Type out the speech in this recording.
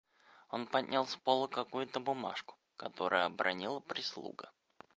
Он поднял с пола какую-то бумажку, которую обронила прислуга.